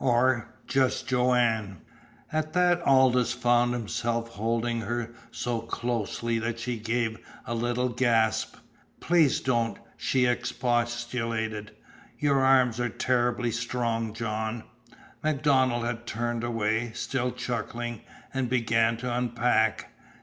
"Or just Joanne." At that Aldous found himself holding her so closely that she gave a little gasp. "Please don't," she expostulated. "Your arms are terribly strong, John!" MacDonald had turned away, still chuckling, and began to unpack.